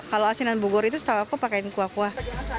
kalau asinan bugur itu setelah aku pakai kuah kuah